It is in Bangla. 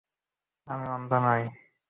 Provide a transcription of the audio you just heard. আমি অন্ধ নই।